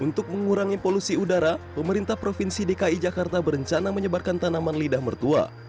untuk mengurangi polusi udara pemerintah provinsi dki jakarta berencana menyebarkan tanaman lidah mertua